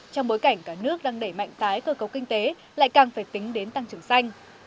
trong bối cảnh cả nước đang đẩy mạnh tái cơ cấu kinh tế lại càng phải tính đến tăng trưởng xanh